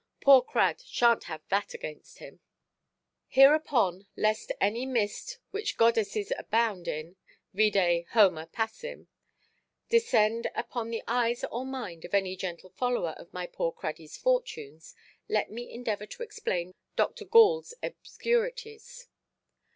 Poor Crad shanʼt have that against him". Hereupon, lest any mist (which goddesses abound in, vide Homer passim) descend upon the eyes or mind of any gentle follower of my poor Craddyʼs fortunes, let me endeavour to explain Dr. Gallʼs obscurities.